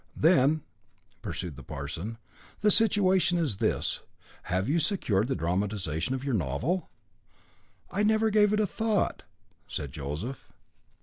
"Then," pursued the parson, "the situation is this: Have you secured the dramatisation of your novel?" "I never gave it a thought," said Joseph.